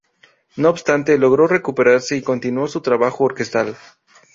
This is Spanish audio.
No obstante, logró recuperarse y continuó su trabajo orquestal.